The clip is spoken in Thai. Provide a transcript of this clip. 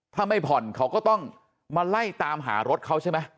ถ้าไม่ผ่อนเขาก็ต้องมาไล่ตามหารถเขาใช่ไหม